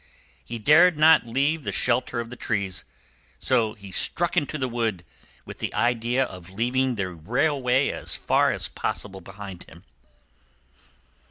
He dared not leave the shelter of the trees, so he struck into the wood, with the idea of leaving the railway as far as possible behind him.